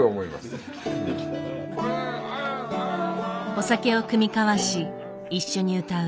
お酒を酌み交わし一緒に歌う。